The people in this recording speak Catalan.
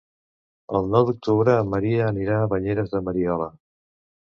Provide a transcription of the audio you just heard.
El nou d'octubre en Maria anirà a Banyeres de Mariola.